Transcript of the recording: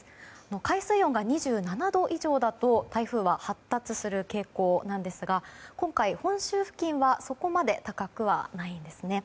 海水温が２７度以上だと台風は発達する傾向ですが今回、本州付近はそこまで高くはないんですね。